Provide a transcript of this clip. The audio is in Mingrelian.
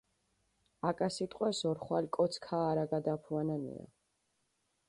აკა სიტყვას ორხვალი კოც ქაარაგადაფუანანია.